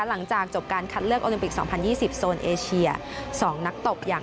หลังจากจบการคัดเลือกโอลิมปิกสองพันยี่สิบโซนเอเชียสองนักตบอย่าง